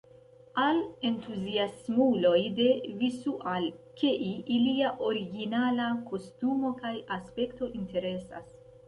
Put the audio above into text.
Al entuziasmuloj de Visual-kei, ilia originala kostumo kaj aspekto interesas.